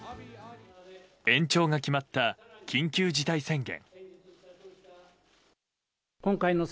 延長が決まった緊急事態宣言。